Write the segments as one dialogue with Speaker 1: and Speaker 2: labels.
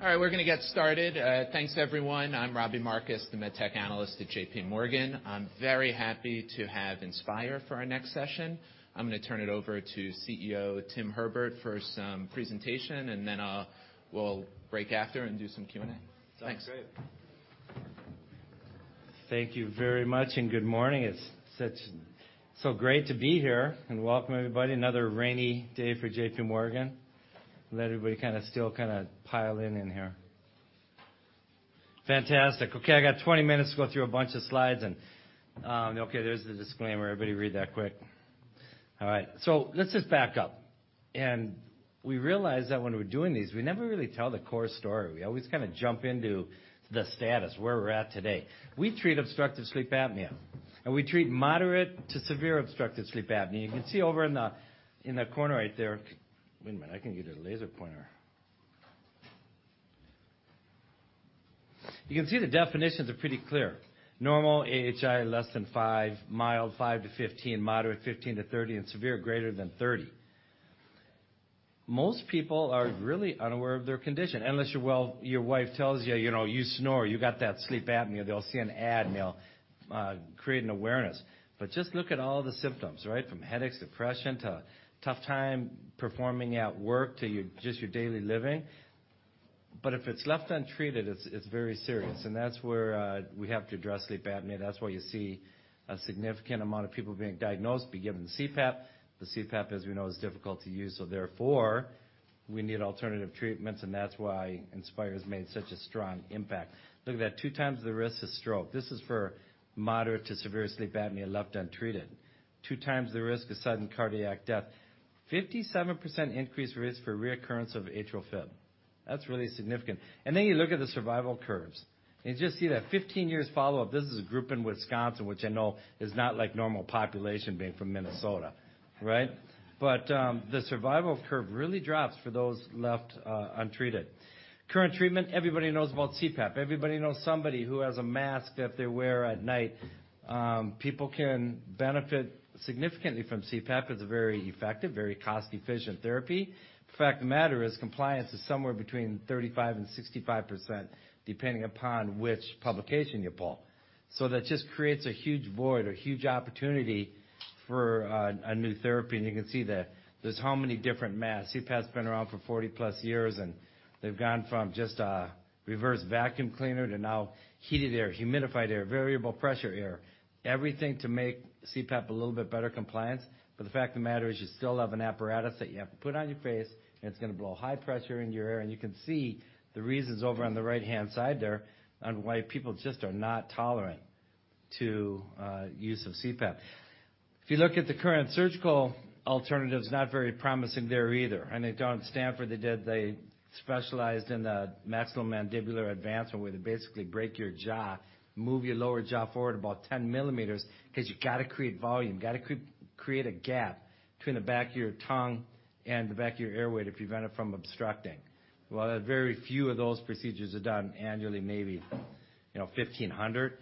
Speaker 1: All right, we're gonna get started. Thanks everyone. I'm Robbie Marcus, the med tech analyst at JPMorgan. I'm very happy to have Inspire for our next session. I'm gonna turn it over to CEO Tim Herbert for some presentation, and then we'll break after and do some Q&A. Thanks.
Speaker 2: Sounds great. Thank you very much, and good morning. So great to be here, and welcome everybody, another rainy day for JPMorgan. Let everybody kinda still kinda pile in here. Fantastic. Okay, I got 20 minutes to go through a bunch of slides and, okay, there's the disclaimer. Everybody read that quick. All right. Let's just back up. We realized that when we're doing these, we never really tell the core story. We always kinda jump into the status where we're at today. We treat obstructive sleep apnea, and we treat moderate to severe obstructive sleep apnea. You can see over in the corner right there. Wait a minute, I can get a laser pointer. You can see the definitions are pretty clear. Normal AHI, less than 5; mild, 5 to 15; moderate, 15 to 30; and severe, greater than 30. Most people are really unaware of their condition unless you're, well, your wife tells you know, "You snore, you got that sleep apnea." They'll see an ad, and they'll create an awareness. Just look at all the symptoms, right? From headaches, depression, to tough time performing at work, to just your daily living. If it's left untreated, it's very serious, and that's where we have to address sleep apnea. That's why you see a significant amount of people being diagnosed, be given CPAP. The CPAP, as we know, is difficult to use. Therefore, we need alternative treatments, and that's why Inspire has made such a strong impact. Look at that, 2 times the risk of stroke. This is for moderate to severe sleep apnea left untreated. 2 times the risk of sudden cardiac death. 57% increased risk for reoccurrence of atrial fib. That's really significant. You look at the survival curves, and you just see that 15 years follow-up. This is a group in Wisconsin, which I know is not like normal population being from Minnesota, right? The survival curve really drops for those left untreated. Current treatment, everybody knows about CPAP. Everybody knows somebody who has a mask that they wear at night. People can benefit significantly from CPAP. It's a very effective, very cost-efficient therapy. Fact of the matter is, compliance is somewhere between 35% and 65%, depending upon which publication you pull. That just creates a huge void or huge opportunity for a new therapy. You can see that there's how many different masks. CPAP's been around for 40-plus years, and they've gone from just a reverse vacuum cleaner to now heated air, humidified air, variable pressure air, everything to make CPAP a little bit better compliance. The fact of the matter is, you still have an apparatus that you have to put on your face, and it's gonna blow high pressure in your air. You can see the reasons over on the right-hand side there on why people just are not tolerant to use of CPAP. If you look at the current surgical alternatives, not very promising there either. I know down at Stanford, they specialized in the maxillomandibular advancement, where they basically break your jaw, move your lower jaw forward about 10 millimeters, 'cause you gotta create volume. Gotta create a gap between the back of your tongue and the back of your airway to prevent it from obstructing. Well, very few of those procedures are done annually, maybe, you know, 1,500.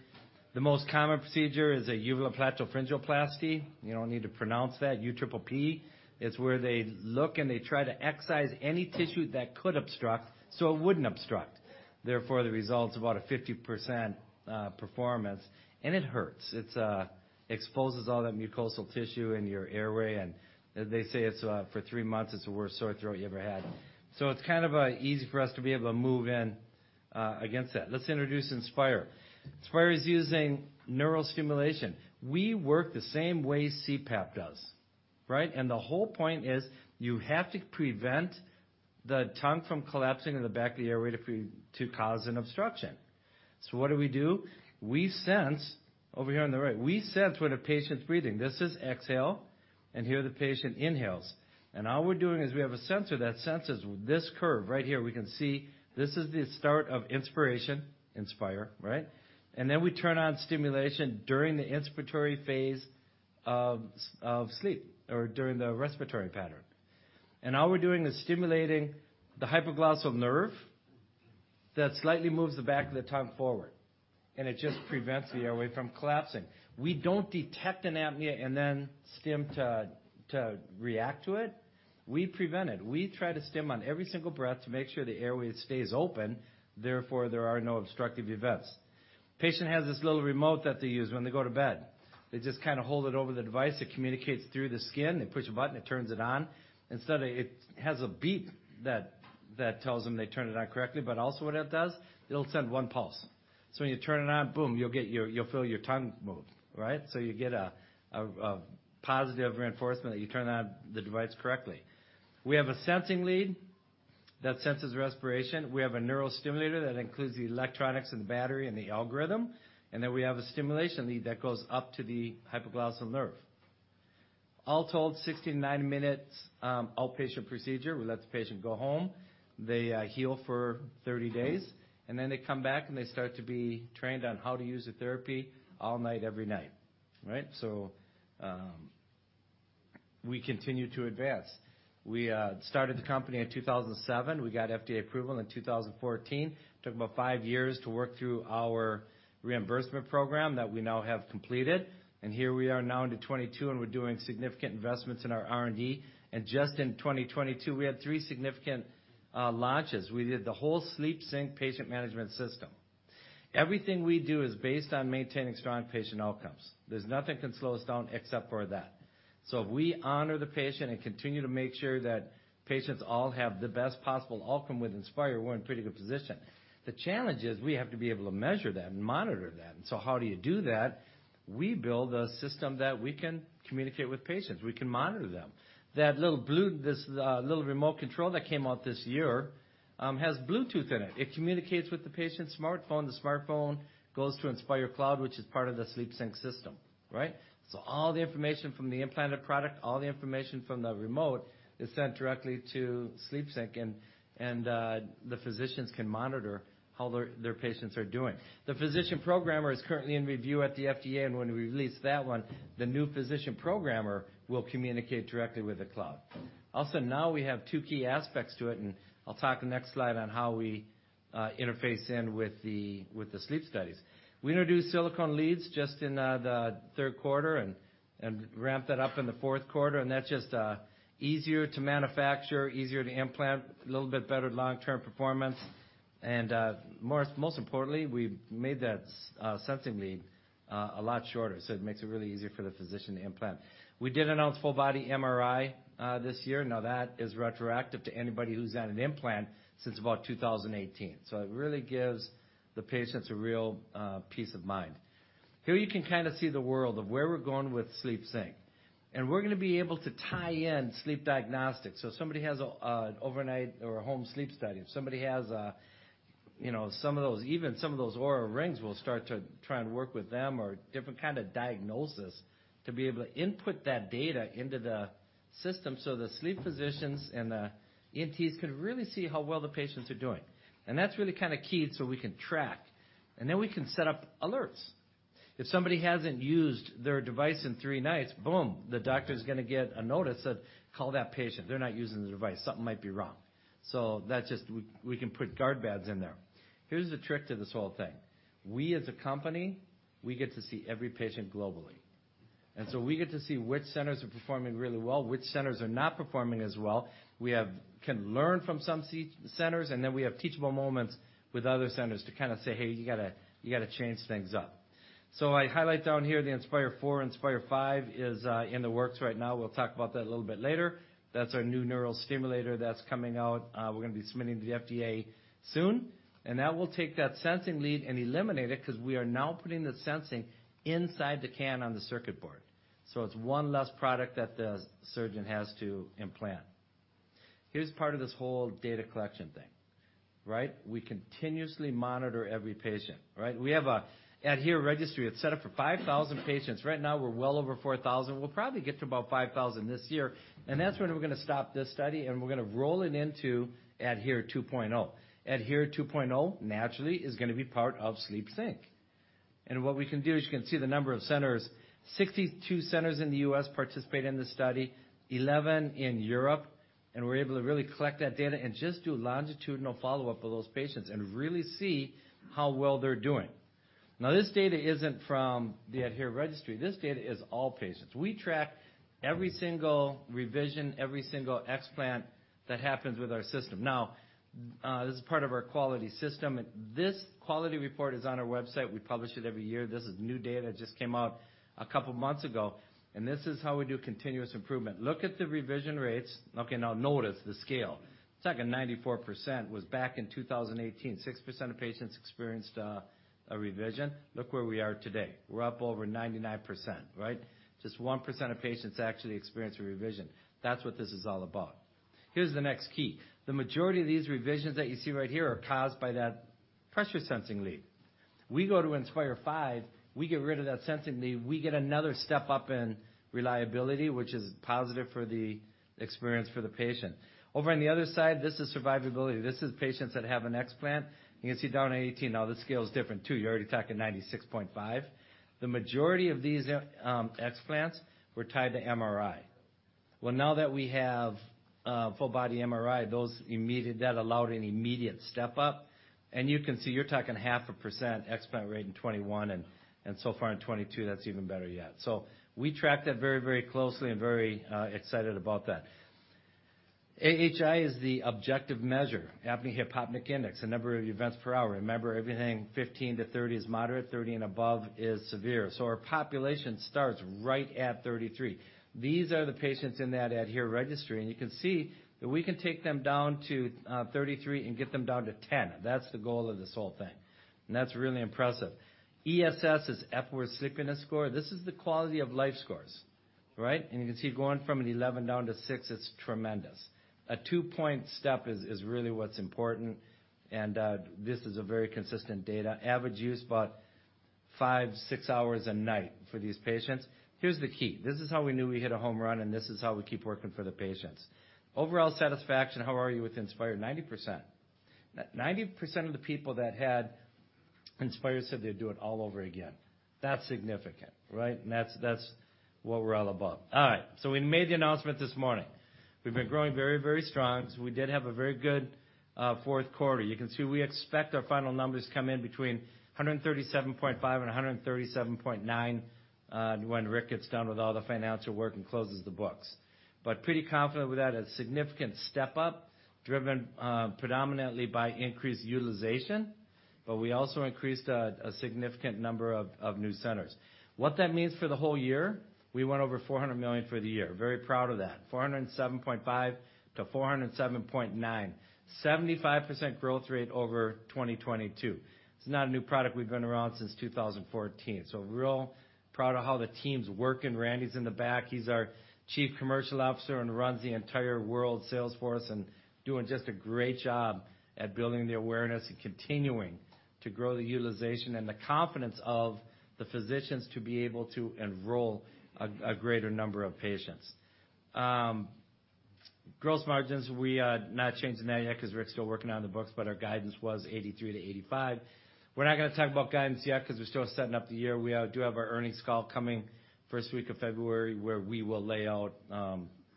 Speaker 2: The most common procedure is a uvulopalatopharyngoplasty. You don't need to pronounce that, UPPP. It's where they look, and they try to excise any tissue that could obstruct, so it wouldn't obstruct. The result's about a 50% performance, and it hurts. It exposes all that mucosal tissue in your airway, and they say it's for 3 months, it's the worst sore throat you ever had. It's kind of easy for us to be able to move in against that. Let's introduce Inspire. Inspire is using neural stimulation. We work the same way CPAP does, right? The whole point is you have to prevent the tongue from collapsing in the back of the airway to cause an obstruction. What do we do? We sense. Over here on the right, we sense when a patient's breathing. This is exhale, and here the patient inhales. All we're doing is we have a sensor that senses this curve right here. We can see this is the start of inspiration, Inspire, right? We turn on stimulation during the inspiratory phase of sleep or during the respiratory pattern. All we're doing is stimulating the hypoglossal nerve that slightly moves the back of the tongue forward, and it just prevents the airway from collapsing. We don't detect an apnea and then stim to react to it. We prevent it. We try to stim on every single breath to make sure the airway stays open, therefore, there are no obstructive events. Patient has this little remote that they use when they go to bed. They just kinda hold it over the device. It communicates through the skin. They push a button, it turns it on. Instead, it has a beep that tells them they turned it on correctly, but also what it does, it'll send one pulse. When you turn it on, boom, you'll feel your tongue move, right? You get a positive reinforcement that you turned on the device correctly. We have a sensing lead that senses respiration. We have a neurostimulator that includes the electronics and the battery and the algorithm. Then we have a stimulation lead that goes up to the hypoglossal nerve. All told, 69 minutes, outpatient procedure. We let the patient go home. They heal for 30 days, and then they come back, and they start to be trained on how to use the therapy all night every night, right? We continue to advance. We started the company in 2007. We got FDA approval in 2014. Took about 5 years to work through our reimbursement program that we now have completed. Here we are now into 2022, and we're doing significant investments in our R&D. Just in 2022, we had 3 significant launches. We did the whole SleepSync patient management system. Everything we do is based on maintaining strong patient outcomes. There's nothing can slow us down except for that. If we honor the patient and continue to make sure that patients all have the best possible outcome with Inspire, we're in pretty good position. The challenge is we have to be able to measure them and monitor them. How do you do that? We build a system that we can communicate with patients. We can monitor them. That little blue This little remote control that came out this year has Bluetooth in it. It communicates with the patient's smartphone. The smartphone goes to Inspire Cloud, which is part of the SleepSync system, right? All the information from the implanted product, all the information from the remote is sent directly to SleepSync and the physicians can monitor how their patients are doing. The physician programmer is currently in review at the FDA. When we release that one, the new physician programmer will communicate directly with the cloud. Now we have two key aspects to it. I'll talk the next slide on how we interface in with the sleep studies. We introduced silicone leads just in the third quarter and ramped that up in the fourth quarter. That's just easier to manufacture, easier to implant, a little bit better long-term performance. Most importantly, we made that sensing lead a lot shorter. It makes it really easier for the physician to implant. We did announce full body MRI this year. That is retroactive to anybody who's had an implant since about 2018. It really gives the patients a real peace of mind. Here you can kind of see the world of where we're going with SleepSync. We're going to be able to tie in sleep diagnostics. If somebody has an overnight or a home sleep study, if somebody has, you know, some of those. Even some of those Oura Rings, we'll start to try and work with them or different kind of diagnosis to be able to input that data into the system so the sleep physicians and the ENTs can really see how well the patients are doing. That's really kind of key so we can track, and then we can set up alerts. If somebody hasn't used their device in 3 nights, boom, the doctor's going to get a notice, "Call that patient. They're not using the device. Something might be wrong." That's just we can put guard beds in there. Here's the trick to this whole thing. We as a company, we get to see every patient globally, we get to see which centers are performing really well, which centers are not performing as well. We can learn from some centers, and then we have teachable moments with other centers to kinda say, "Hey, you gotta change things up." I highlight down here the Inspire IV, Inspire V is in the works right now. We'll talk about that a little bit later. That's our new neural stimulator that's coming out. We're gonna be submitting to the FDA soon. That will take that sensing lead and eliminate it 'cause we are now putting the sensing inside the can on the circuit board. It's one less product that the surgeon has to implant. Here's part of this whole data collection thing, right? We continuously monitor every patient, right? We have a ADHERE registry. It's set up for 5,000 patients. Right now we're well over 4,000. We'll probably get to about 5,000 this year. That's when we're gonna stop this study, and we're gonna roll it into ADHERE 2.0. ADHERE 2.0, naturally, is gonna be part of SleepSync. What we can do is you can see the number of centers, 62 centers in the U.S. participate in this study, 11 in Europe, and we're able to really collect that data and just do longitudinal follow-up with those patients and really see how well they're doing. Now, this data isn't from the ADHERE registry. This data is all patients. We track every single revision, every single explant that happens with our system. Now, this is part of our quality system. This quality report is on our website. We publish it every year. This is new data that just came out a couple months ago. This is how we do continuous improvement. Look at the revision rates. Okay, now notice the scale. Second 94% was back in 2018. 6% of patients experienced a revision. Look where we are today. We're up over 99%, right? Just 1% of patients actually experience a revision. That's what this is all about. Here's the next key. The majority of these revisions that you see right here are caused by that pressure sensing lead. We go to Inspire V, we get rid of that sensing lead, we get another step up in reliability, which is positive for the experience for the patient. On the other side, this is survivability. This is patients that have an explant. You can see down in 18. This scale is different too. You're already talking 96.5%. The majority of these explants were tied to MRI. Now that we have full body MRI, that allowed an immediate step up. You can see, you're talking half a % explant rate in 21 and so far in 22, that's even better yet. We track that very, very closely and very excited about that. AHI is the objective measure, apnea-hypopnea index, the number of events per hour. Remember, everything 15 to 30 is moderate, 30 and above is severe. Our population starts right at 33. These are the patients in that ADHERE registry, you can see that we can take them down to 33 and get them down to 10. That's the goal of this whole thing, that's really impressive. ESS is Epworth Sleepiness Scale. This is the quality-of-life scores, right? You can see it going from an 11 down to 6. It's tremendous. A 2-point step is really what's important. This is a very consistent data. Average use about 5, 6 hours a night for these patients. Here's the key. This is how we knew we hit a home run, this is how we keep working for the patients. Overall satisfaction, how are you with Inspire? 90%. 90% of the people that had Inspire said they'd do it all over again. That's significant, right? That's what we're all about. All right, we made the announcement this morning. We've been growing very, very strong, we did have a very good fourth quarter. You can see we expect our final numbers to come in between $137.5 and $137.9, when Rick gets done with all the financial work and closes the books. Pretty confident with that. A significant step-up driven predominantly by increased utilization. We also increased a significant number of new centers. What that means for the whole year, we went over $400 million for the year. Very proud of that. $407.5-$407.9. 75% growth rate over 2022. It's not a new product. We've been around since 2014. Real proud of how the team's working. Randy's in the back. He's our chief commercial officer and runs the entire world sales force and doing just a great job at building the awareness and continuing to grow the utilization and the confidence of the physicians to be able to enroll a greater number of patients. Gross margins, we are not changing that yet because Rick's still working on the books, but our guidance was 83%-85%. We're not gonna talk about guidance yet because we're still setting up the year. We do have our earnings call coming 1st week of February, where we will lay out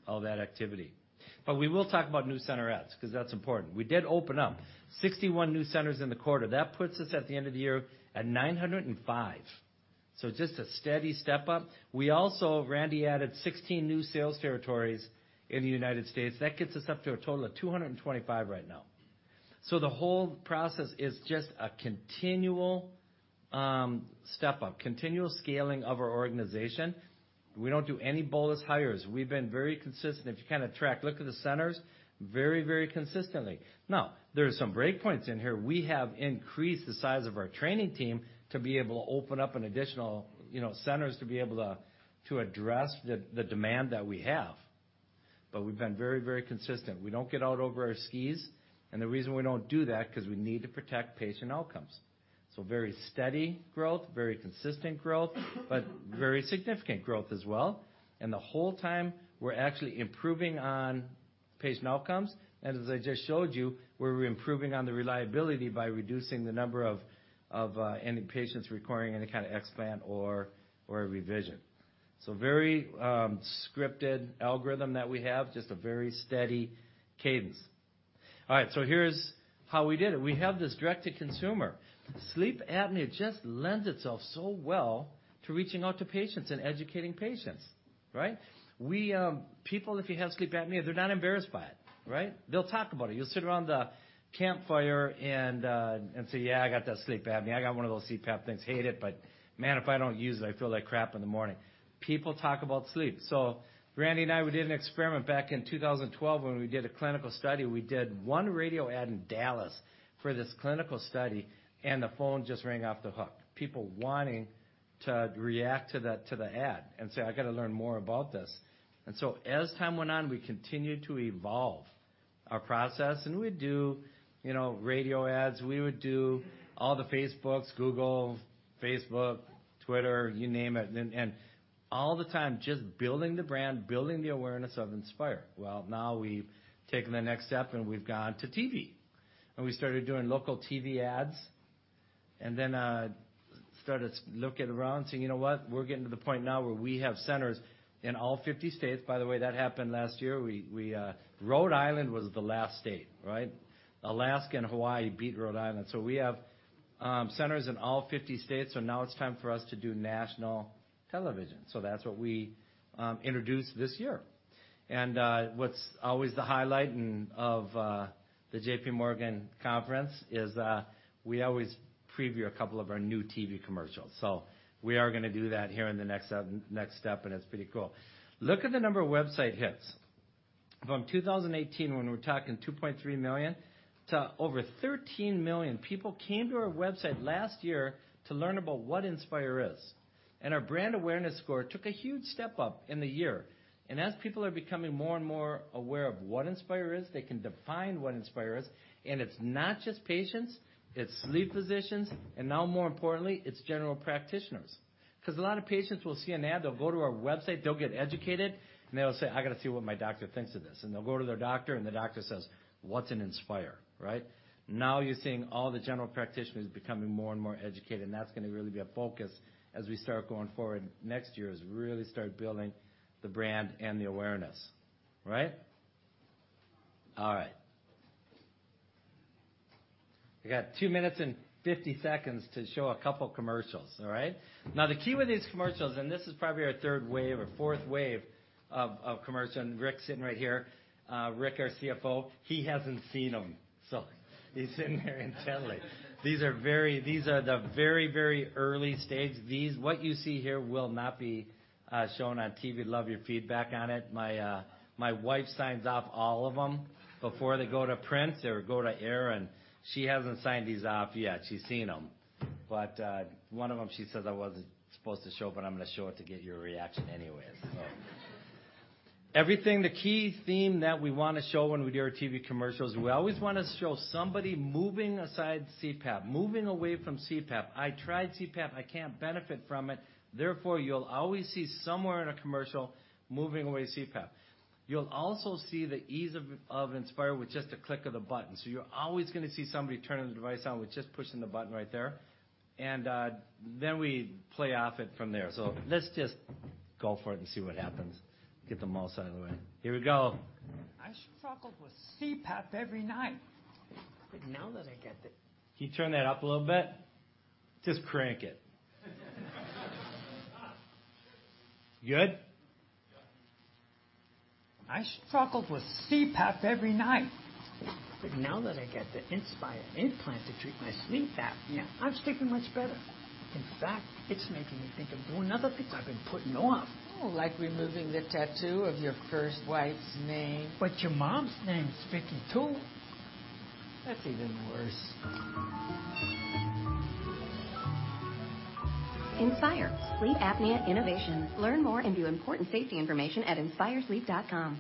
Speaker 2: all that activity. We will talk about new center adds, because that's important. We did open up 61 new centers in the quarter. That puts us at the end of the year at 905. Just a steady step up. We also Randy added 16 new sales territories in the United States. That gets us up to a total of 225 right now. The whole process is just a continual step up, continual scaling of our organization. We don't do any bonus hires. We've been very consistent. If you kind of look at the centers, very consistently. Now, there are some break points in here. We have increased the size of our training team to be able to open up an additional, you know, centers to be able to address the demand that we have. We've been very consistent. We don't get out over our skis, the reason we don't do that, because we need to protect patient outcomes. Very steady growth, very consistent growth, very significant growth as well. The whole time, we're actually improving on patient outcomes. As I just showed you, we're improving on the reliability by reducing the number of any patients requiring any kind of explant or a revision. Very scripted algorithm that we have, just a very steady cadence. Here's how we did it. We have this direct to consumer. Sleep apnea just lends itself so well to reaching out to patients and educating patients, right? We people, if you have sleep apnea, they're not embarrassed by it, right? They'll talk about it. You'll sit around the campfire and say, "Yeah, I got that sleep apnea. I got one of those CPAP things. Hate it, but man, if I don't use it, I feel like crap in the morning." People talk about sleep. Randy and I, we did an experiment back in 2012 when we did a clinical study. We did one radio ad in Dallas for this clinical study, and the phone just rang off the hook. People wanting to react to the ad and say, "I gotta learn more about this." As time went on, we continued to evolve our process and we'd do, you know, radio ads, we would do all the Facebooks, Google, Facebook, Twitter, you name it. All the time just building the brand, building the awareness of Inspire. Well, now we've taken the next step, and we've gone to TV. We started doing local TV ads, and then started looking around saying, "You know what? We're getting to the point now where we have centers in all 50 states. By the way, that happened last year. Rhode Island was the last state, right? Alaska and Hawaii beat Rhode Island. We have centers in all 50 states, so now it's time for us to do national television. That's what we introduced this year. What's always the highlight of the JPMorgan conference is we always preview a couple of our new TV commercials. We are gonna do that here in the next next step, and it's pretty cool. Look at the number of website hits. From 2018, when we're talking 2.3 million to over 13 million people came to our website last year to learn about what Inspire is. Our brand awareness score took a huge step up in the year. As people are becoming more and more aware of what Inspire is, they can define what Inspire is. It's not just patients, it's sleep physicians, and now more importantly, it's general practitioners. 'Cause a lot of patients will see an ad, they'll go to our website, they'll get educated, and they'll say, "I gotta see what my doctor thinks of this." They'll go to their doctor, and the doctor says, "What's an Inspire?" Right? Now you're seeing all the general practitioners becoming more and more educated, and that's gonna really be a focus as we start going forward next year, is really start building the brand and the awareness. Right? All right. I got two minutes and 50 seconds to show a couple commercials. All right? The key with these commercials, and this is probably our third wave or fourth wave of commercials. Rick's sitting right here, Rick, our CFO, he hasn't seen them. He's sitting there intently. These are the very, very early stage. These... what you see here will not be shown on TV. Love your feedback on it. My wife signs off all of them before they go to print or go to air, and she hasn't signed these off yet. She's seen them. One of them, she says I wasn't supposed to show, but I'm gonna show it to get your reaction anyways. Everything, the key theme that we wanna show when we do our TV commercials, we always wanna show somebody moving aside CPAP, moving away from CPAP. I tried CPAP, I can't benefit from it. You'll always see somewhere in a commercial moving away CPAP. You'll also see the ease of Inspire with just a click of the button. You're always gonna see somebody turning the device on with just pushing the button right there. We play off it from there. Let's just go for it and see what happens. Get the mouse out of the way. Here we go.
Speaker 3: I struggled with CPAP every night. Now that I get the-
Speaker 2: Can you turn that up a little bit? Just crank itGood?
Speaker 1: Yeah.
Speaker 3: I struggled with CPAP every night. Now that I get the Inspire implant to treat my sleep apnea, I'm sleeping much better. In fact, it's making me think of doing other things I've been putting off. Oh, like removing the tattoo of your first wife's name. Your mom's name is Vicky, too. That's even worse. Inspire sleep apnea innovation. Learn more and view important safety information at inspiresleep.com.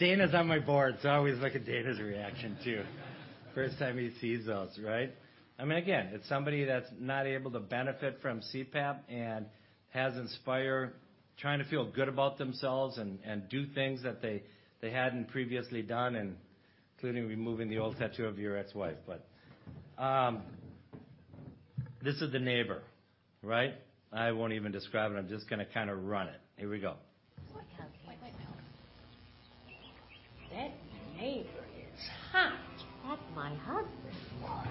Speaker 2: Dana's on my board, so I always look at Dana's reaction too. First time he sees those, right? I mean, again, it's somebody that's not able to benefit from CPAP and has Inspire, trying to feel good about themselves and do things that they hadn't previously done, and including removing the old tattoo of your ex-wife. This is the neighbor, right? I won't even describe it. I'm just gonna kinda run it. Here we go.
Speaker 3: Wait, wait. That neighbor is hot. That's my husband. What?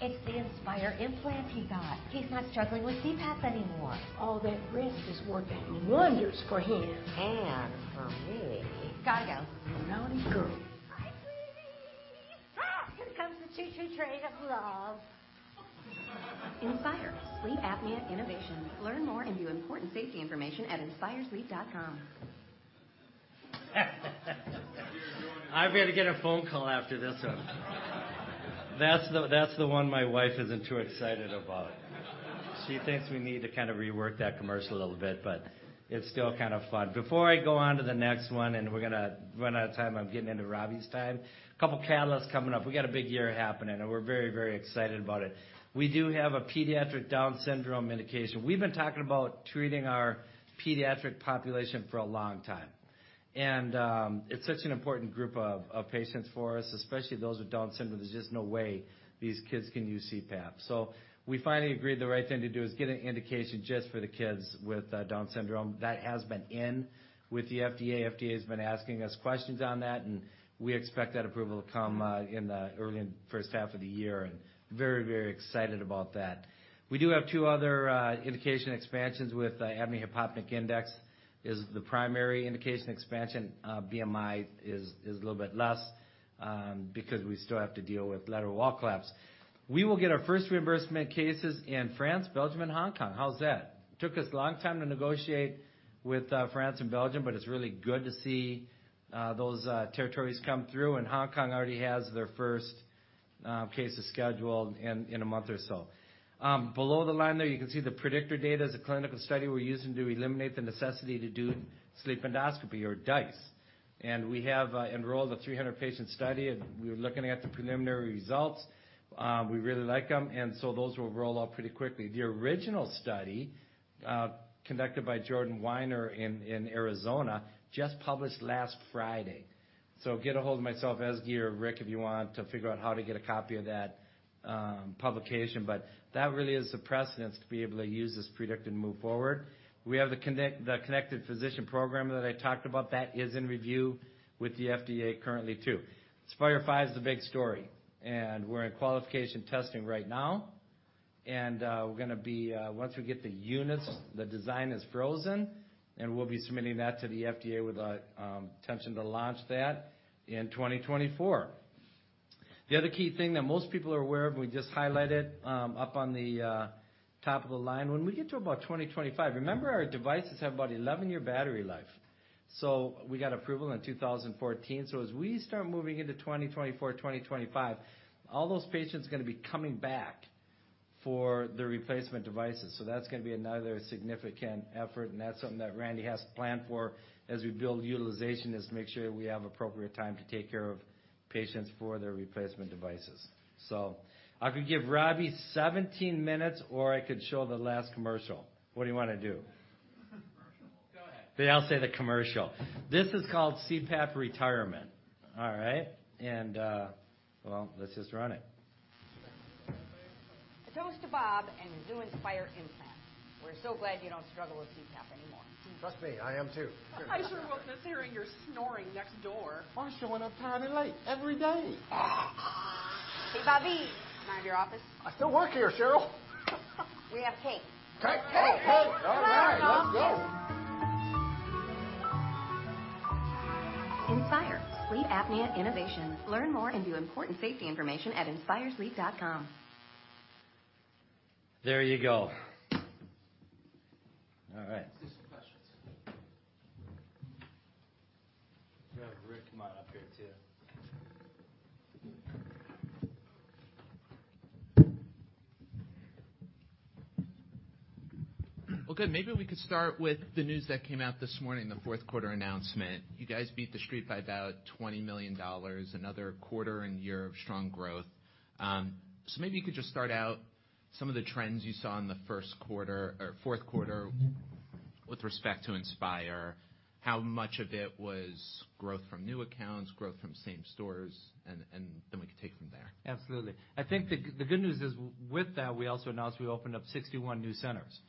Speaker 3: It's the Inspire implant he got. He's not struggling with CPAP anymore. All that rest is working wonders for him. For me. Gotta go. Naughty girl. Hi, sweetie. Here comes the treat-treat trade of love. Inspire sleep apnea innovation. Learn more and view important safety information at inspiresleep.com.
Speaker 2: I'm gonna get a phone call after this one. That's the, that's the one my wife isn't too excited about. She thinks we need to kind of rework that commercial a little bit, but it's still kind of fun. Before I go on to the next one, and we're gonna run out of time, I'm getting into Robbie's time. Couple catalysts coming up. We got a big year happening, and we're very, very excited about it. We do have a pediatric Down syndrome indication. We've been talking about treating our pediatric population for a long time. it's such an important group of patients for us, especially those with Down syndrome. There's just no way these kids can use CPAP. We finally agreed the right thing to do is get an indication just for the kids with Down syndrome. That has been in with the FDA. FDA has been asking us questions on that. We expect that approval to come in the first half of the year. Very, very excited about that. We do have two other indication expansions with apnea-hypopnea index is the primary indication expansion. BMI is a little bit less, because we still have to deal with lateral wall collapse. We will get our first reimbursement cases in France, Belgium, and Hong Kong. How's that? Took us a long time to negotiate with France and Belgium, but it's really good to see those territories come through. Hong Kong already has their first cases scheduled in a month or so. Below the line there, you can see the PREDICTOR data is a clinical study we're using to eliminate the necessity to do sleep endoscopy or DISE. We have enrolled a 300 patient study, and we're looking at the preliminary results. We really like them, and so those will roll out pretty quickly. The original study, conducted by Jordan Weiner in Arizona just published last Friday. Get a hold of myself, Ezgi, or Rick if you want to figure out how to get a copy of that publication. That really is the precedence to be able to use this predictor to move forward. We have the connected physician program that I talked about. That is in review with the FDA currently too. Inspire V is the big story, and we're in qualification testing right now. We're gonna be once we get the units, the design is frozen, and we'll be submitting that to the FDA with the intention to launch that in 2024. The other key thing that most people are aware of, we just highlighted up on the top of the line. When we get to about 2025. Remember, our devices have about 11-year battery life. We got approval in 2014. As we start moving into 2024, 2025, all those patients are gonna be coming back for their replacement devices. That's gonna be another significant effort, and that's something that Randy has to plan for as we build utilization, is to make sure we have appropriate time to take care of patients for their replacement devices. I could give Robbie 17 minutes, or I could show the last commercial. What do you wanna do?
Speaker 1: Commercial.
Speaker 2: They all say the commercial. This is called CPAP Retirement. All right? Well, let's just run it.
Speaker 3: A toast to Bob and his new Inspire implant. We're so glad you don't struggle with CPAP anymore. Trust me, I am too. I sure woke up hearing your snoring next door. I'm showing up tired and late every day. Hey, Bobby, I'm out of your office. I still work here, Cheryl. We have cake. Cake? Cake. Cake. All right. Let's go. Inspire sleep apnea innovation. Learn more and view important safety information at inspiresleep.com.
Speaker 2: There you go. All right.
Speaker 1: Let's do some questions.
Speaker 2: We have Rick come on up here, too.
Speaker 1: Good. Maybe we could start with the news that came out this morning, the fourth quarter announcement. You guys beat the street by about $20 million, another quarter and year of strong growth. Maybe you could just start out some of the trends you saw in the first quarter or fourth quarter with respect to Inspire. How much of it was growth from new accounts, growth from same stores? Then we can take it from there.
Speaker 2: Absolutely. I think the good news is with that, we also announced we opened up 61 new centers.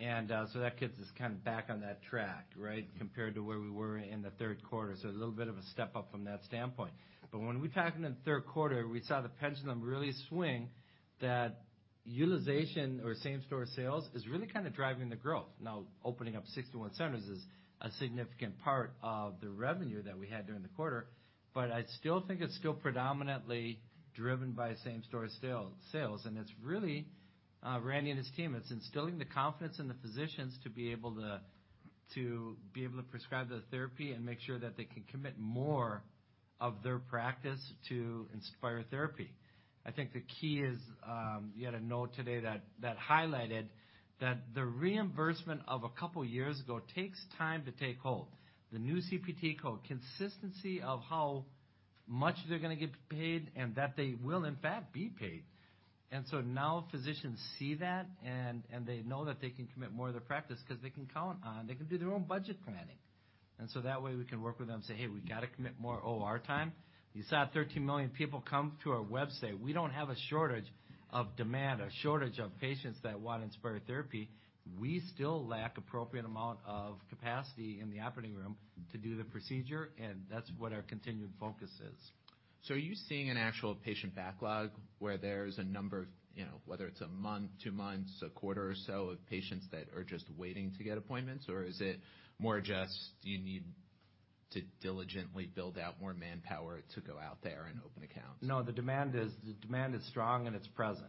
Speaker 2: That gets us kind of back on that track, right, compared to where we were in the third quarter. A little bit of a step up from that standpoint. When we talked in the third quarter, we saw the pendulum really swing that utilization or same-store sales is really kind of driving the growth. Opening up 61 centers is a significant part of the revenue that we had during the quarter, but I still think it's still predominantly driven by same-store sales. It's really Randy and his team. It's instilling the confidence in the physicians to be able to prescribe the therapy and make sure that they can commit more of their practice to Inspire therapy. I think the key is, you had a note today that highlighted that the reimbursement of a couple years ago takes time to take hold. The new CPT code, consistency of how much they're gonna get paid and that they will in fact be paid. Now physicians see that and they know that they can commit more of their practice because they can count on, they can do their own budget planning. That way we can work with them, say, "Hey, we gotta commit more OR time." You saw 13 million people come to our website. We don't have a shortage of demand, a shortage of patients that want Inspire therapy. We still lack appropriate amount of capacity in the operating room to do the procedure, and that's what our continued focus is.
Speaker 1: Are you seeing an actual patient backlog where there's a number, you know, whether it's a month, 2 months, a quarter or so of patients that are just waiting to get appointments? Or is it more just you need to diligently build out more manpower to go out there and open accounts?
Speaker 2: No, the demand is strong and it's present.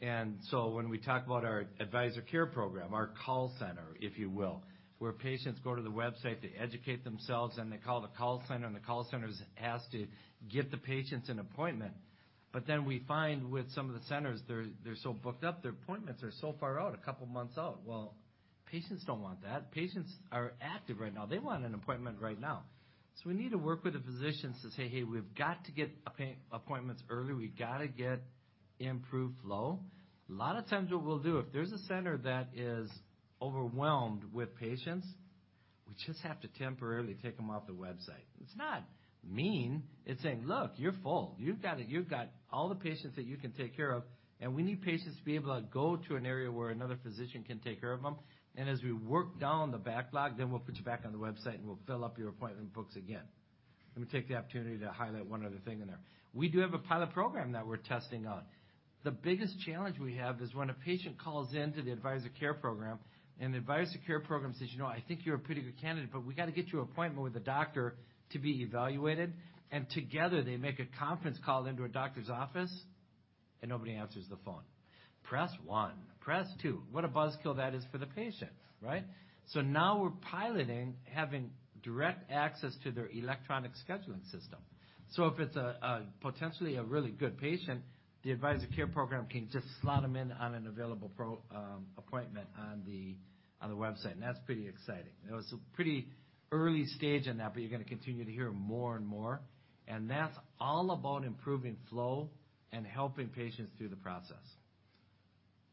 Speaker 2: When we talk about our Inspire Advisor Care Program, our call center, if you will, where patients go to the website, they educate themselves, they call the call center, and the call center's asked to get the patients an appointment. We find with some of the centers, they're so booked up, their appointments are so far out, 2 months out. Patients don't want that. Patients are active right now. They want an appointment right now. We need to work with the physicians to say, "Hey, we've got to get appointments earlier. We've got to get improved flow." A lot of times what we'll do, if there's a center that is overwhelmed with patients, we just have to temporarily take them off the website. It's not mean. It's saying, "Look, you're full. You've got all the patients that you can take care of. We need patients to be able to go to an area where another physician can take care of them. As we work down the backlog, then we'll put you back on the website, and we'll fill up your appointment books again. Let me take the opportunity to highlight one other thing in there. We do have a pilot program that we're testing on. The biggest challenge we have is when a patient calls in to the Advisor Care Program. The Advisor Care Program says, "You know, I think you're a pretty good candidate, but we got to get you an appointment with a doctor to be evaluated." Together, they make a conference call into a doctor's office, and nobody answers the phone. Press one, press two. What a buzz kill that is for the patient, right? Now we're piloting having direct access to their electronic scheduling system. If it's a potentially a really good patient, the Inspire Advisor Care Program can just slot them in on an available appointment on the website. That's pretty exciting. You know, it's pretty early stage on that, but you're gonna continue to hear more and more, and that's all about improving flow and helping patients through the process.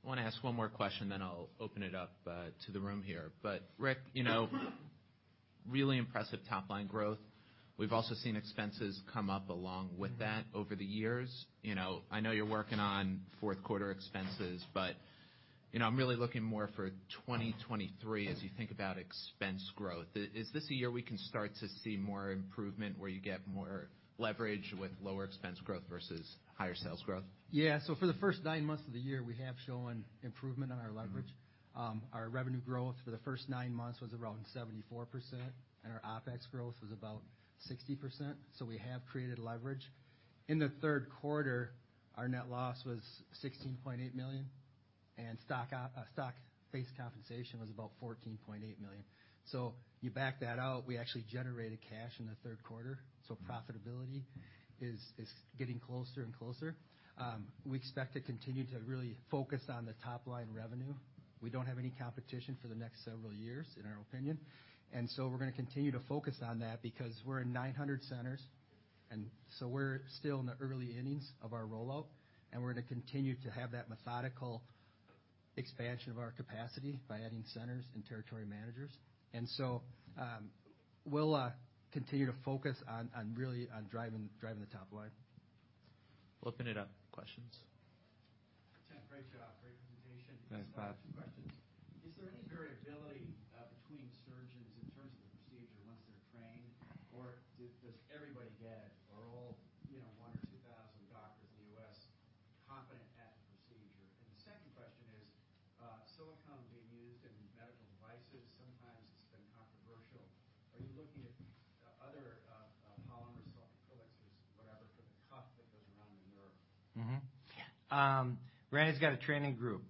Speaker 1: I wanna ask one more question, then I'll open it up to the room here. Rick, you know, really impressive top line growth. We've also seen expenses come up along with that over the years. You know, I know you're working on fourth quarter expenses, you know, I'm really looking more for 2023 as you think about expense growth. Is this a year we can start to see more improvement where you get more leverage with lower expense growth versus higher sales growth?
Speaker 4: For the first nine months of the year, we have shown improvement on our leverage. Our revenue growth for the first nine months was around 74%, and our OpEx growth was about 60%. We have created leverage. In the third quarter, our net loss was $16.8 million, and stock-based compensation was about $14.8 million. You back that out, we actually generated cash in the third quarter, so profitability is getting closer and closer. We expect to continue to really focus on the top-line revenue. We don't have any competition for the next several years, in our opinion. We're gonna continue to focus on that because we're in 900 centers. We're still in the early innings of our rollout, and we're gonna continue to have that methodical expansion of our capacity by adding centers and territory managers. We'll continue to focus on really on driving the top line.
Speaker 1: We'll open it up to questions.
Speaker 5: Tim, great job. Great presentation.
Speaker 2: Thanks, Pat.
Speaker 5: Two questions. Is there any variability, between surgeons in terms of the procedure once they're trained, or does everybody get it? Are all, you know, 1,000 or 2,000 doctors in the U.S. competent at the procedure? The second question is, silicone being used in medical devices, sometimes it's been controversial. Are you looking at other, polymer silicone coexist, whatever, for the cuff that goes around the nerve?
Speaker 2: Randy's got a training group.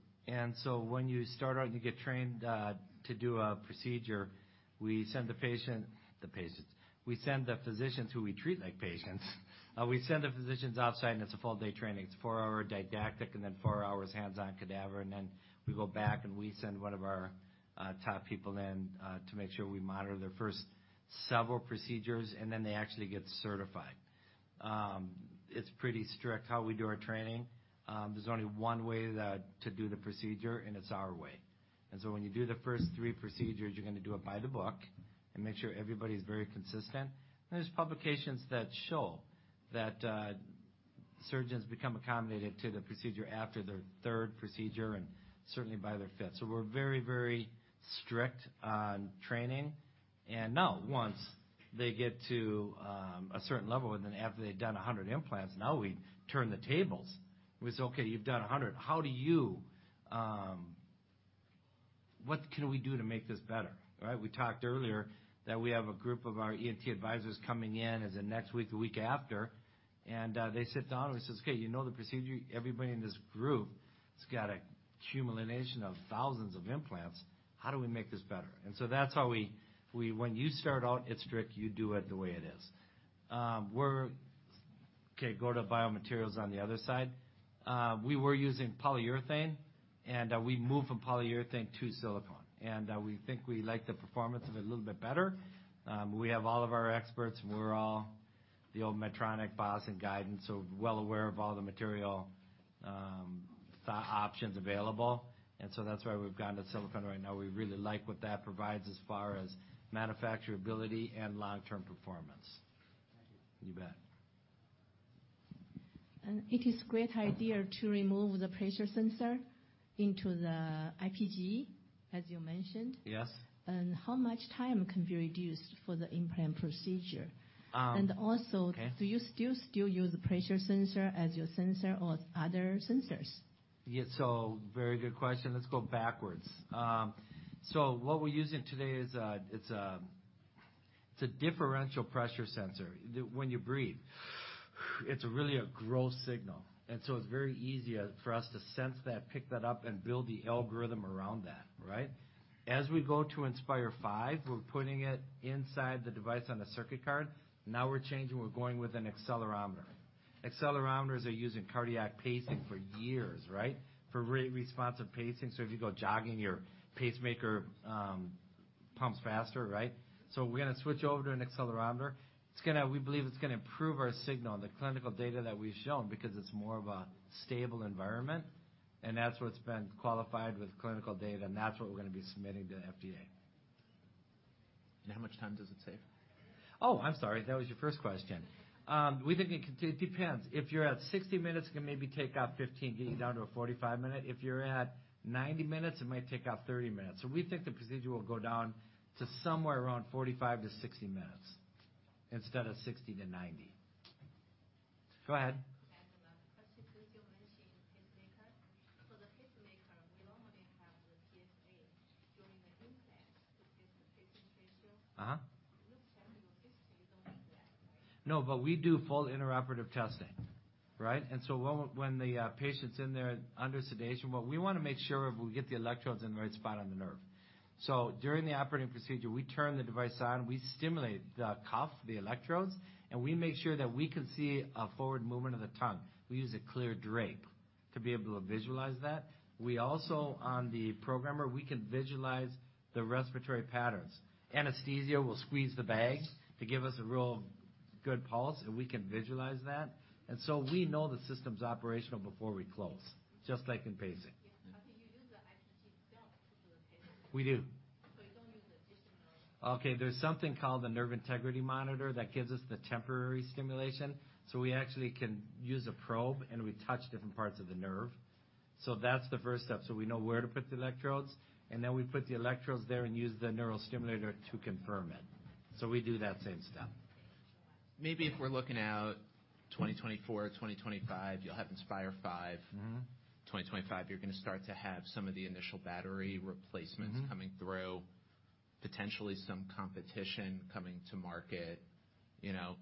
Speaker 2: When you start out, you get trained to do a procedure. We send the physicians who we treat like patients. We send the physicians outside, and it's a full day training. It's 4-hour didactic and then 4 hours hands-on cadaver, then we go back, and we send one of our top people in to make sure we monitor their first several procedures, then they actually get certified. It's pretty strict how we do our training. There's only one way to do the procedure, and it's our way. When you do the first 3 procedures, you're gonna do it by the book and make sure everybody's very consistent. There's publications that show that Surgeons become accommodated to the procedure after their third procedure, and certainly by their fifth. We're very, very strict on training. Now, once they get to a certain level, and then after they've done 100 implants, now we turn the tables. We say, "Okay, you've done 100. How do you, what can we do to make this better?" All right. We talked earlier that we have a group of our ENT advisors coming in as of next week or week after, and they sit down and we says, "Okay, you know the procedure. Everybody in this group has got a cumulation of thousands of implants. How do we make this better?" That's how we, when you start out, it's strict. You do it the way it is. We're... Okay, go to biomaterials on the other side. We were using polyurethane, we moved from polyurethane to silicone. We think we like the performance of it a little bit better. We have all of our experts, and we're all the old Medtronic, Boston, Guidant, so well aware of all the material options available. That's why we've gone to silicone right now. We really like what that provides as far as manufacturability and long-term performance.
Speaker 5: Thank you.
Speaker 2: You bet.
Speaker 6: It is great idea to remove the pressure sensor into the IPG, as you mentioned.
Speaker 2: Yes.
Speaker 6: How much time can be reduced for the implant procedure?
Speaker 2: Um-
Speaker 6: And also-
Speaker 2: Okay.
Speaker 6: Do you still use the pressure sensor as your sensor or other sensors?
Speaker 2: Very good question. Let's go backwards. What we're using today is it's a differential pressure sensor. When you breathe, it's really a gross signal. It's very easy for us to sense that, pick that up, and build the algorithm around that, right? As we go to Inspire V, we're putting it inside the device on a circuit card. Now we're changing. We're going with an accelerometer. Accelerometers are used in cardiac pacing for years, right? For rate responsive pacing. If you go jogging, your pacemaker pumps faster, right? We're gonna switch over to an accelerometer. We believe it's gonna improve our signal on the clinical data that we've shown because it's more of a stable environment, and that's what's been qualified with clinical data, and that's what we're gonna be submitting to the FDA.
Speaker 1: How much time does it save?
Speaker 2: Oh, I'm sorry. That was your first question. It depends. If you're at 60 minutes, it can maybe take off 15, getting you down to a 45-minute. If you're at 90 minutes, it might take out 30 minutes. We think the procedure will go down to somewhere around 45-60 minutes instead of 60-90. Go ahead.
Speaker 6: I have another question. Since you mentioned pacemaker, the pacemaker will only have the PSA during the implant to get the pacing ratio.
Speaker 2: Uh-huh. It looks like your pacing don't need that, right? We do full intraoperative testing, right? When the patient's in there under sedation, what we wanna make sure of, we get the electrodes in the right spot on the nerve. During the operating procedure, we turn the device on, we stimulate the cuff, the electrodes, and we make sure that we can see a forward movement of the tongue. We use a clear drape to be able to visualize that. We also, on the programmer, we can visualize the respiratory patterns. Anesthesia will squeeze the bag to give us a real good pulse, and we can visualize that. We know the system's operational before we close, just like in pacing.
Speaker 6: Yeah. Do you use the IPG still to do the pacing?
Speaker 2: We do.
Speaker 6: You don't use the tissue nerve?
Speaker 2: Okay. There's something called the nerve integrity monitor that gives us the temporary stimulation. We actually can use a probe, and we touch different parts of the nerve. That's the first step, so we know where to put the electrodes. We put the electrodes there and use the neural simulator to confirm it. We do that same step.
Speaker 1: Maybe if we're looking out 2024, 2025, you'll have Inspire V.
Speaker 2: Mm-hmm.
Speaker 1: 2025, you're gonna start to have some of the initial battery replacements-
Speaker 2: Mm-hmm.
Speaker 1: coming through, potentially some competition coming to market. You know,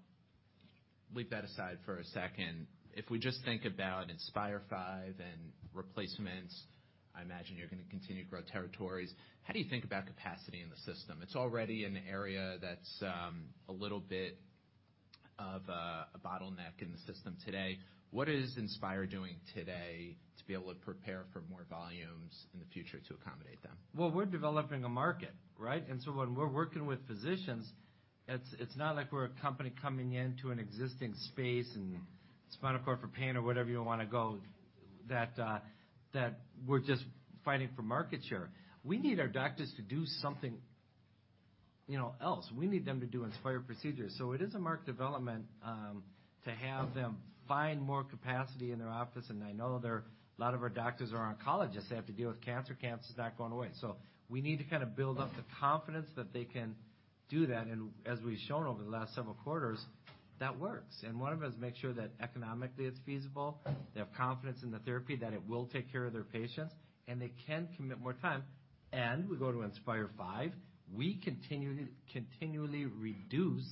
Speaker 1: leave that aside for a second. If we just think about Inspire V and replacements, I imagine you're gonna continue to grow territories. How do you think about capacity in the system? It's already an area that's, a little bit of a bottleneck in the system today. What is Inspire doing today to be able to prepare for more volumes in the future to accommodate them?
Speaker 2: Well, we're developing a market, right? When we're working with physicians, it's not like we're a company coming into an existing space and spinal cord for pain or wherever you wanna go, that we're just fighting for market share. We need our doctors to do something, you know, else. We need them to do Inspire procedures. It is a market development to have them find more capacity in their office. I know A lot of our doctors are oncologists. They have to deal with cancer. Cancer's not going away. We need to kind of build up the confidence that they can do that. As we've shown over the last several quarters, that works. One of them is make sure that economically it's feasible, they have confidence in the therapy that it will take care of their patients, and they can commit more time. When we get to Inspire V, we continually reduce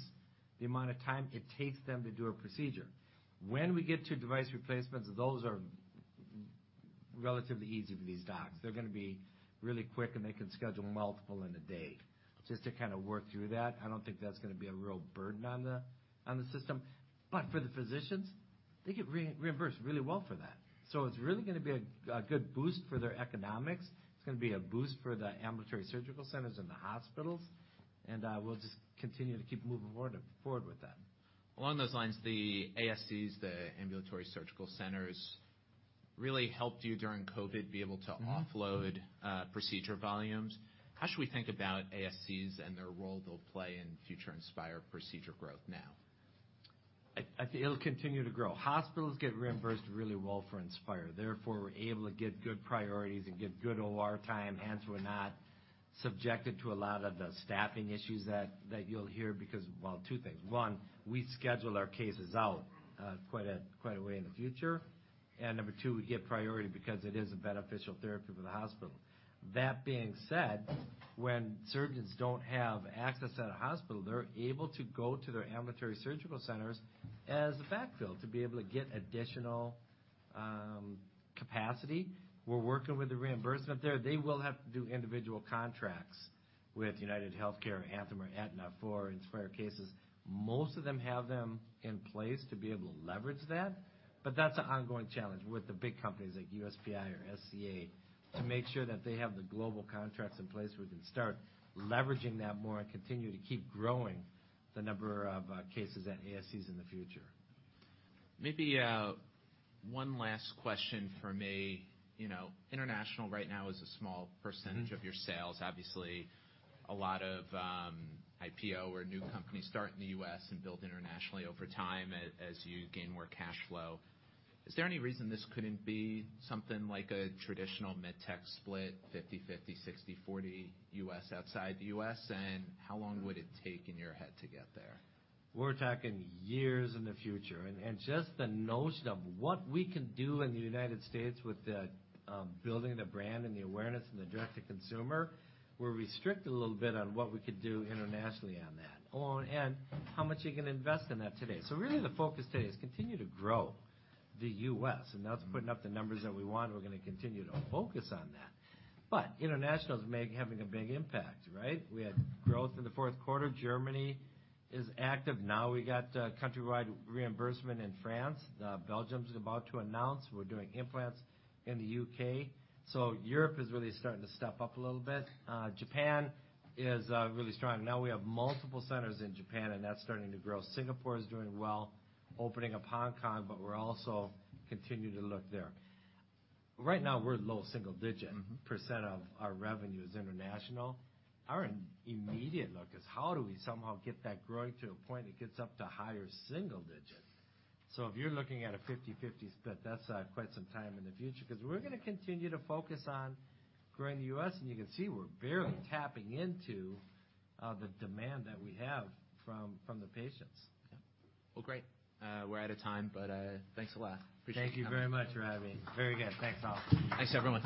Speaker 2: the amount of time it takes them to do a procedure. When we get to device replacements, those are relatively easy for these docs. They're gonna be really quick, and they can schedule multiple in a day just to kind of work through that. I don't think that's gonna be a real burden on the system. For the physicians, they get reimbursed really well for that. It's really gonna be a good boost for their economics. It's gonna be a boost for the ambulatory surgical centers and the hospitals. We'll just continue to keep moving forward with that.
Speaker 1: Along those lines, the ASCs, the ambulatory surgical centers Really helped you during COVID be able to offload procedure volumes. How should we think about ASCs and their role they'll play in future Inspire procedure growth now?
Speaker 2: I think it'll continue to grow. Hospitals get reimbursed really well for Inspire. We're able to get good priorities and get good OR time, hence we're not subjected to a lot of the staffing issues that you'll hear because. Well, two things. One, we schedule our cases out quite a way in the future. Number two, we get priority because it is a beneficial therapy for the hospital. That being said, when surgeons don't have access at a hospital, they're able to go to their ambulatory surgical centers as a backfill to be able to get additional capacity. We're working with the reimbursement there. They will have to do individual contracts with UnitedHealthcare, Anthem, or Aetna for Inspire cases. Most of them have them in place to be able to leverage that, but that's an ongoing challenge with the big companies like USPI or SCA to make sure that they have the global contracts in place. We can start leveraging that more and continue to keep growing the number of cases at ASCs in the future.
Speaker 1: Maybe, one last question from me. You know, international right now is a small percentage of your sales. Obviously, a lot of IPO or new companies start in the US and build internationally over time as you gain more cash flow. Is there any reason this couldn't be something like a traditional med tech split, 50/50, 60/40 US, outside the US? How long would it take in your head to get there?
Speaker 2: We're talking years in the future, and just the notion of what we can do in the United States with the building the brand and the awareness and the direct to consumer, we're restricted a little bit on what we could do internationally on that and how much you can invest in that today. Really the focus today is continue to grow the US, and that's putting up the numbers that we want, and we're gonna continue to focus on that. International is having a big impact, right? We had growth in the fourth quarter. Germany is active now. We got countrywide reimbursement in France. Belgium's about to announce. We're doing implants in the UK. Europe is really starting to step up a little bit. Japan is really strong. Now we have multiple centers in Japan, and that's starting to grow. Singapore is doing well. Opening up Hong Kong, but we're also continuing to look there. Right now, we're low single-digit % of our revenue is international. Our immediate look is how do we somehow get that growing to a point it gets up to higher single digits? If you're looking at a 50/50 split, that's quite some time in the future, 'cause we're gonna continue to focus on growing the U.S., and you can see we're barely tapping into the demand that we have from the patients.
Speaker 1: Yeah. Well, great. We're out of time, but thanks a lot. Appreciate you coming.
Speaker 2: Thank y`ou very much for having me. Very good. Thanks, all.
Speaker 1: Thanks, everyone.